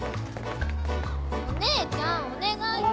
お姉ちゃんお願い！